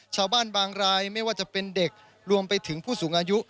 ชาวบ้านบางรายไม่ว่าจะเป็นเด็กรวมไปถึงผู้สูงอายุ